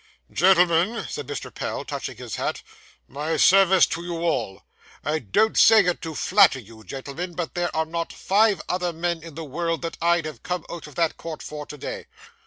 'Gentlemen,' said Mr. Pell, touching his hat, 'my service to you all. I don't say it to flatter you, gentlemen, but there are not five other men in the world, that I'd have come out of that court for, to day.